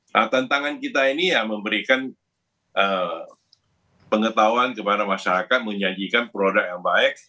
nah tantangan kita ini ya memberikan pengetahuan kepada masyarakat menyajikan produk yang baik